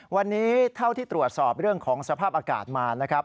วันนี้เท่าที่ตรวจสอบเรื่องของสภาพอากาศมานะครับ